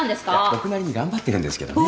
僕なりに頑張ってるんですけどね。